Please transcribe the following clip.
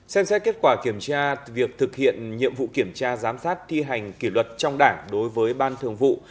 xem xét kết quả kiểm tra việc thực hiện nhiệm vụ kiểm tra giám sát thi hành kỷ luật trong đảng đối với ban thường vụ